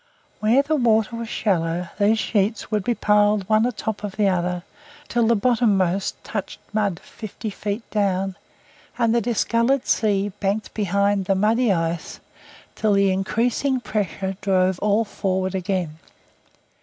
Where the water was shallow these sheets would be piled one atop of the other till the bottommost touched mud fifty feet down, and the discoloured sea banked behind the muddy ice till the increasing pressure drove all forward again.